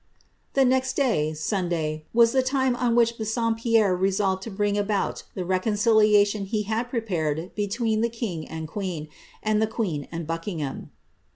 The next day, Sunday, was the time on which Bassompierre resolved to bring about the reconciliation he had prepared between the king and queen, and the queen and Buckingham.